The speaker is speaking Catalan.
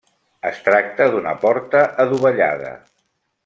Es tracta d'una porta adovellada.